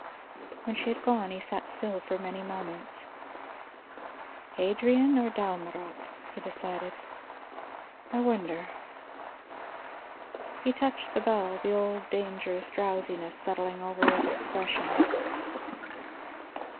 When she had gone, he sat still for many moments. "Adrian or Dalmorov," he decided. "I wonder " He touched the bell, the old dangerous drowsiness settling over his expression.